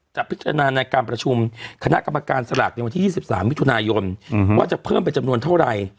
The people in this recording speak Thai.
พิจารณาในการประชุมคณะกรรมการสลากในวันที่๒๓มิถุนายนว่าจะเพิ่มเป็นจำนวนเท่าไหร่